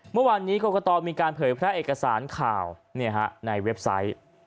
เมื่อวานนี้กรกตมีการเผยแพร่เอกสารข่าวในเว็บไซต์